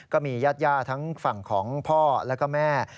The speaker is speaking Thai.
ก็มียาดทางฝั่งของพ่อแล้วก็แหม่